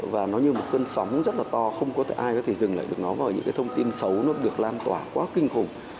và nó như một cơn sóng rất là to không có thể ai có thể dừng lại được nó vào những cái thông tin xấu nó được lan tỏa quá kinh khủng